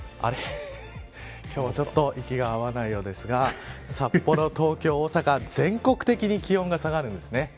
今日は、ちょっと意見が合わないようですが札幌、東京、大阪全国的に気温が下がるんです。